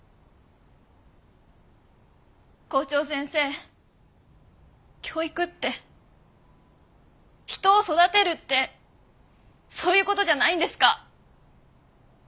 校長先生教育って人を育てるってそういうことじゃないんですか？